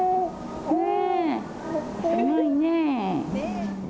すごいね。